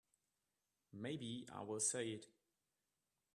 Maybe I will say it.